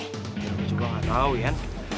gue juga gak tau ian